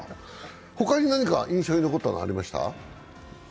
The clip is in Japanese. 他に何か印象に残ったのありました？